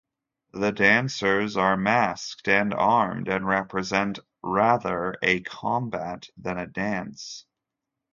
The dancers are masked and armed, and represent rather a combat than a dance.